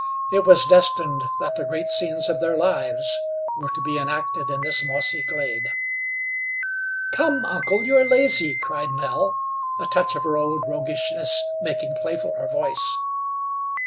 It was destined that the great scenes of their lives were to be enacted in this mossy glade. "Come, uncle, you are lazy," cried Nell, a touch of her old roguishness making playful her voice.